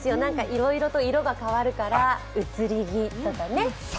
いろいろと色が変わるから移り気とかね。